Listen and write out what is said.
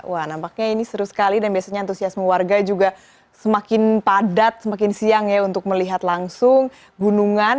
wah nampaknya ini seru sekali dan biasanya antusiasme warga juga semakin padat semakin siang ya untuk melihat langsung gunungan